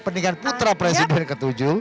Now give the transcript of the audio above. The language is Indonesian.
pernikahan putra presiden ke tujuh